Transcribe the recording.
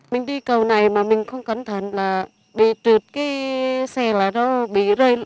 mình đi cầu này mà mình không cẩn thận là bị trượt cái xe là nó bị rơi